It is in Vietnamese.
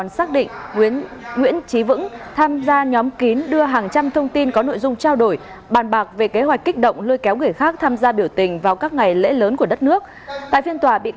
xin chào và hẹn gặp lại